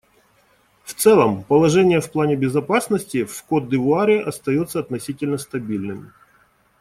В целом, положение в плане безопасности в Кот-д'Ивуаре остается относительно стабильным.